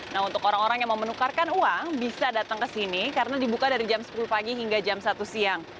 nah untuk orang orang yang mau menukarkan uang bisa datang ke sini karena dibuka dari jam sepuluh pagi hingga jam satu siang